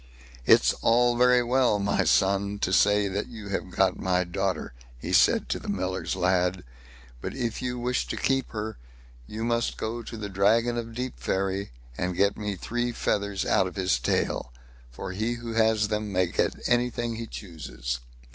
"It's all very well, my son, to say you have got my daughter", he said to the miller's lad; "but if you wish to keep her, you must go to the Dragon of Deepferry, and get me three feathers out of his tail; for he who has them may get anything he chooses."